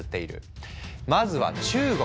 まずは中国。